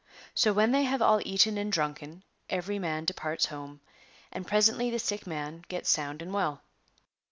So when they have all eaten and drunken, every man departs home. And pre sently the sick man gets sound and well.'